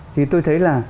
thì tôi thấy là